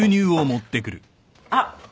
あっ。